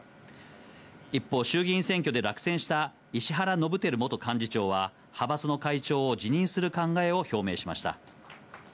一方、衆議院選挙で落選した石原伸晃元幹事長は、派閥の会長を辞任する考えを表明しました。